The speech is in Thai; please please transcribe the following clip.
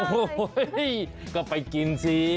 โอ๊ยก็ไปกินสิ